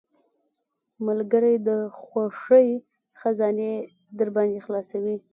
ملګری د خوښۍ خزانې درباندې خلاصوي.